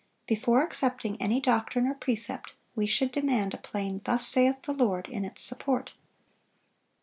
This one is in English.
Before accepting any doctrine or precept, we should demand a plain "Thus saith the Lord" in its support.